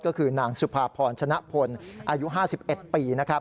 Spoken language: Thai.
ก็คือนางสุภาพรชนะพลอายุ๕๑ปี